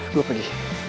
gue akan pergi